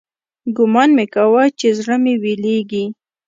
ګومان مې كاوه چې زړه مې ويلېږي.